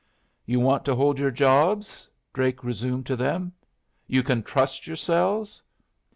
"You want to hold your jobs?" Drake resumed to them. "You can trust yourselves?"